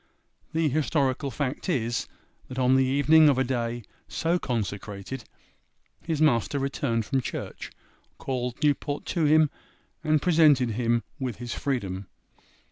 The historical fact is, that on the evening of a day so consecrated his master returned from church, called Newport to him, and presented him with his freedom.